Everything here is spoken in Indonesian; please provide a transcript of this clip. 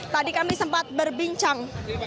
tadi kami sempat berbincang